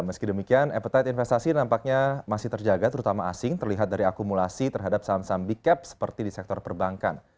meski demikian appetite investasi nampaknya masih terjaga terutama asing terlihat dari akumulasi terhadap saham saham big caps seperti di sektor perbankan